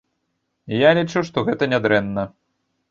Я лічу, што гэта нядрэнна.